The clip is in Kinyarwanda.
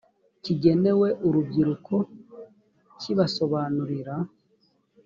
kigenewe urubyiruko kibasobanurira